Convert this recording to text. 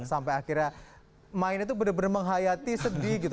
sampai akhirnya mainnya tuh bener bener menghayati sedih gitu